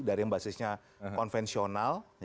dari yang basisnya konvensional